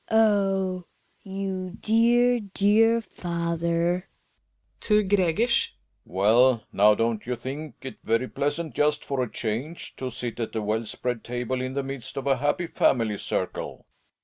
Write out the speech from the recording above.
Oh ! you dear, dear father ! Relling {to Gkegers). Well, now, don't you think it very pleasant, just for a change, to sit at a well spread table in the midst of a happy family circle